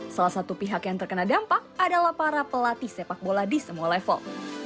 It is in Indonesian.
salah satu pihak yang terkena dampak adalah para pelatih sepak bola di semua level